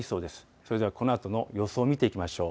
それでは、このあとの予想を見ていきましょう。